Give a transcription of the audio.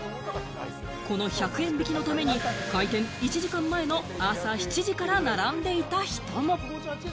この１００円引きのために開店１時間前の朝７時から並んでいた人も。